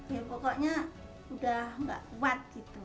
ya pokoknya udah nggak kuat gitu